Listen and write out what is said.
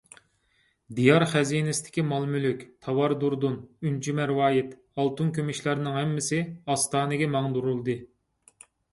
دىيار خەزىنىسىدىكى مال - مۈلۈك، تاۋار - دۇردۇن، ئۈنچە - مەرۋايىت، ئالتۇن - كۈمۈشلەرنىڭ ھەممىسى ئاستانىگە ماڭدۇرۇلدى.